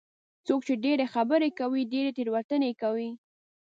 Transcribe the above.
څوک چې ډېرې خبرې کوي، ډېرې تېروتنې کوي.